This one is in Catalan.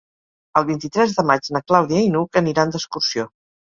El vint-i-tres de maig na Clàudia i n'Hug aniran d'excursió.